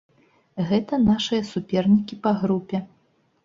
Гэта нашыя супернікі па групе.